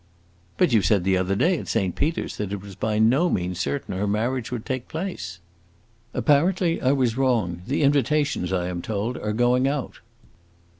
"But you said the other day at Saint Peter's that it was by no means certain her marriage would take place." "Apparently I was wrong: the invitations, I am told, are going out."